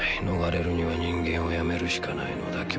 逃れるには人間をやめるしかないのだ